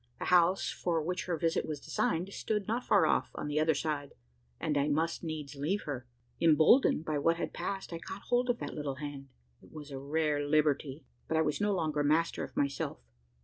The house, for which her visit was designed, stood not far off, on the other side; and I must needs leave her. Emboldened by what had passed, I caught hold of that little hand. It was a rare liberty; but I was no longer master of myself.